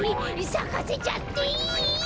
さかせちゃっていい！？